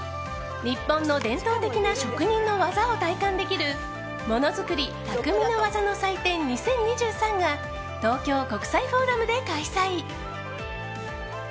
日本の伝統的な職人の技を体感できるものづくり・匠の技の祭典２０２３が東京国際フォーラムで開催。